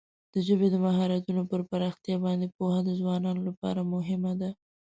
د ژبې د مهارتونو پر پراختیا باندې پوهه د ځوانانو لپاره مهمه ده.